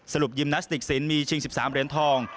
สรุปยิมนาสติกศิลป์มีชิง๑๓เหรียญทอง